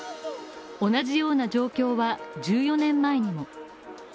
同じような状況は、１４年前にも。